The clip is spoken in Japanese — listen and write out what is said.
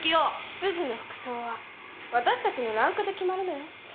執事の服装はわたしたちのランクで決まるのよ。